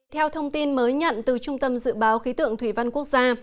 theo thông tin mới nhận từ trung tâm dự báo khí tượng thủy văn quốc gia